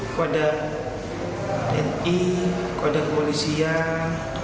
kepada tni kepada koalisi yang